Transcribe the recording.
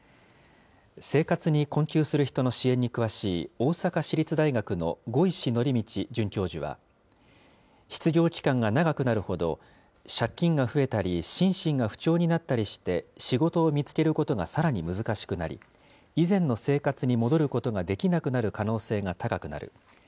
生活に困窮する人の支援に詳しい、大阪市立大学の五石敬路准教授は、失業期間が長くなるほど、借金が増えたり心身が不調になったりして仕事を見つけることがさらに難しくなり、以前の生活に戻ることができなくなる可能性が高くなる。